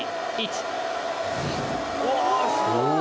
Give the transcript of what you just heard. うわすごっ。